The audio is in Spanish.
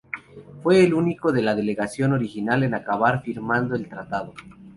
Fue el único de la delegación original en acabar firmando el tratado.